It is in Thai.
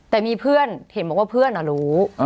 แต่มีเพื่อนเห็นบอกว่าเพื่อนรู้